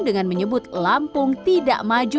dengan menyebut lampung tidak maju